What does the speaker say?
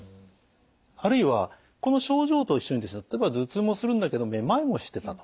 あるいはこの症状と一緒に例えば頭痛もするんだけどめまいもしてたと。